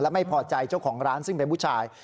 ไม่พอใจเจ้าของร้านซึ่งเป็นผู้ชาย